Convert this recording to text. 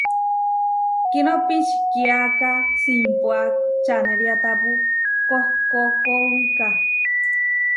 Kiʼnó pičikiáka simpuá čaneriátapu kohkókowika.